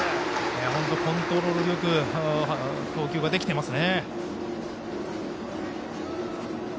本当、コントロールよく投球できていますね。